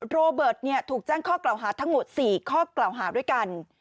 โรเบิร์ตเนี่ยถูกแจ้งข้อเกลาหาทั้งหมดสี่ข้อเกลาหาด้วยกัน